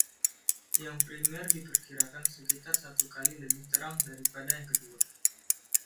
Yang primer diperkirakan sekitar satu kali lebih terang daripada yang kedua.